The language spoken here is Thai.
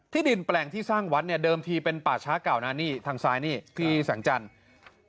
ดินแปลงที่สร้างวัดเนี่ยเดิมทีเป็นป่าช้าเก่านะนี่ทางซ้ายนี่ที่แสงจันทร์